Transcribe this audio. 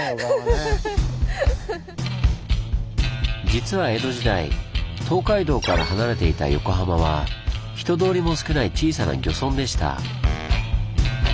実は江戸時代東海道から離れていた横浜は人通りも少ない小さな漁村でした。